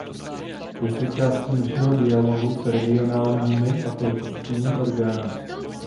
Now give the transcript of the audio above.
Je součástí našeho dialogu s regionálními a politickými orgány.